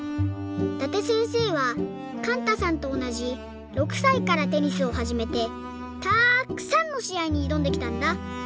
伊達せんせいはかんたさんとおなじ６さいからテニスをはじめてたくさんのしあいにいどんできたんだ。